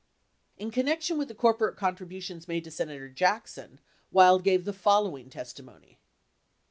72 In connection with the corporate contributions made to Senator J ackson, Wild gave the following testimony : 70 13 Hearings 5474